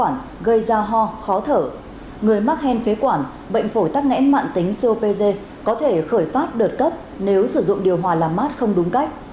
người mắc hen phế quản bệnh phổi tắc nghẽn mạng tính copd có thể khởi phát đợt cấp nếu sử dụng điều hòa làm mát không đúng cách